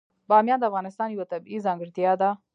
بامیان د افغانستان یوه طبیعي ځانګړتیا ده.